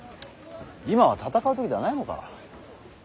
今は戦う時ではないのか。